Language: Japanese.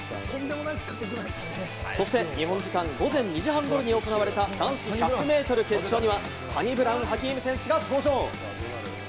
そして日本時間午前２時半ごろに行われた男子１００ｍ決勝には、サニブラウン・ハキーム選手が登場！